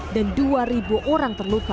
dan dua orang terlibat